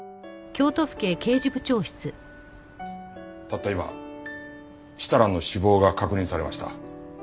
たった今設楽の死亡が確認されました。